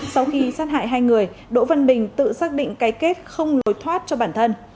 sau khi sát hại hai người đỗ văn bình tự xác định cái kết không lối thoát cho bản thân